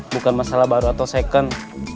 bukan masalah baru atau second